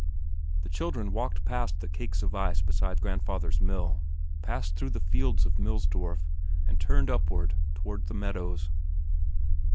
The children walked past the cakes of ice beside grandfather's mill, passed through the fields of Millsdorf, and turned upward toward the meadows.